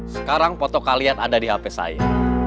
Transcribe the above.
sekarang foto kalian ada di hp saya